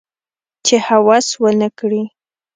چې هوس ونه کړي